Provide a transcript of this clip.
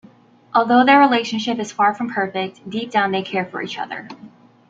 Although their relationship is far from perfect, deep down they care for each other.